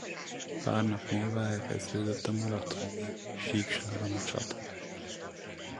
Pár nap múlva elkezdődött a a marathóni síkságon a csata.